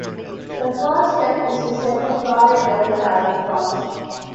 The first step is to set a product-level target cost.